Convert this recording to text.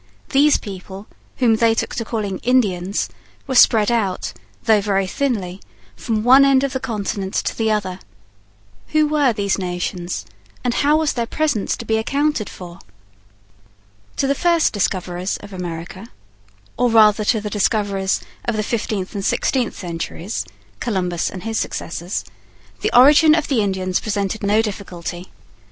These people, whom they took to calling 'Indians,' were spread out, though very thinly, from one end of the continent to the other. Who were these nations, and how was their presence to be accounted for? To the first discoverers of America, or rather to the discoverers of the fifteenth and sixteenth centuries (Columbus and his successors), the origin of the Indians presented no difficulty.